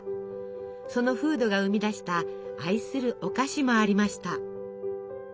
その風土が生み出した愛するお菓子もありました。